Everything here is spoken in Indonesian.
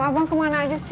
abang kemana aja sih